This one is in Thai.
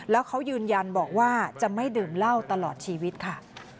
แล้วเขายืนยันบอกว่าจะไม่ดื่มเหล้าตลอดชีวิตค่ะ